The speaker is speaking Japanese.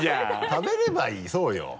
食べればいいそうよ。